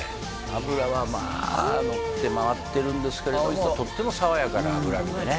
脂はまあのって回ってるんですけれどもとっても爽やかな脂身でね